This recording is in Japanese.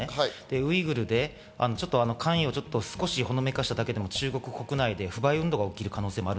ウイグルとの関与をほのめかしただけで、中国で不買運動が起きる可能性がある。